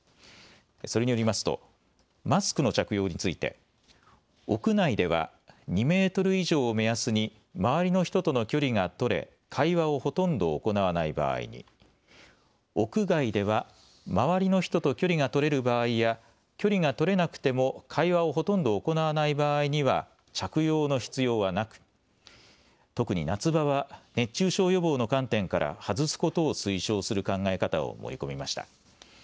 それによりますとマスクの着用について屋内では２メートル以上を目安に周りの人との距離が取れ会話をほとんど行わない場合に、屋外では周りの人と距離が取れる場合や距離が取れなくても会話をほとんど行わない場合には着用の必要はなく特に夏場は熱中症予防の観点から外すことを推奨する考え方を盛り込みました。